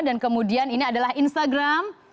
dan kemudian ini adalah instagram